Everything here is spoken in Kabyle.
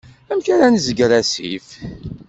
Amek ara nezger asif?